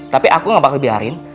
tapi aku gak bakal biarin